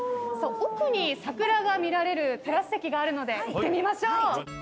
奥に桜が見られるテラス席があるので行ってみましょう。